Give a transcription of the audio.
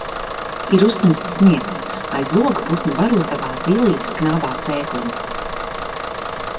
Ir uzsnidzis sniegs, aiz loga putnu barotavā zīlītes knābā sēkliņas.